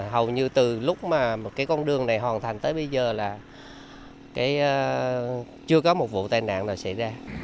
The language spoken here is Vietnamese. hầu như từ lúc mà con đường này hoàn thành tới bây giờ là chưa có một vụ tài nạn nào xảy ra